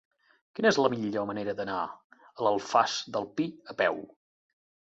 Quina és la millor manera d'anar a l'Alfàs del Pi a peu?